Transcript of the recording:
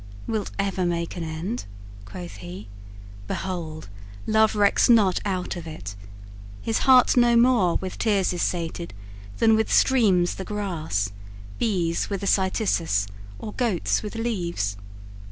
"Wilt ever make an end?" quoth he, "behold Love recks not aught of it: his heart no more With tears is sated than with streams the grass, Bees with the cytisus, or goats with leaves."